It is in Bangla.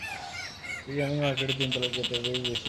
পীর ইয়ামেনী মার্কেটের তিনতলায় ক্রেতাদের বেশি ভিড়।